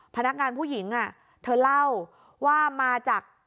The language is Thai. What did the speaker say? พนักงานผู้หญิงเธอเล่าว่ามาจาก